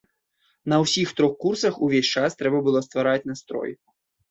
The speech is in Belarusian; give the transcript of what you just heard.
На ўсіх трох курсах увесь час трэба было ствараць настрой.